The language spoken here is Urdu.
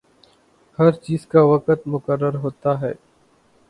ہر چیز کا وقت مقرر ہوتا ہے۔